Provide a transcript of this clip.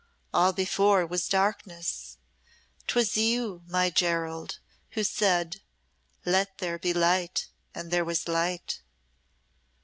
All before was darkness. 'Twas you, my Gerald, who said, 'Let there be light, and there was light.'"